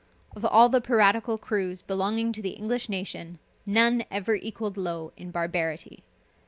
Of all the piratical crews belonging to the English nation, none ever equalled Low in barbarity.